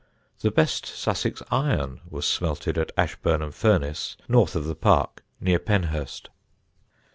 The best Sussex iron was smelted at Ashburnham Furnace, north of the park, near Penhurst.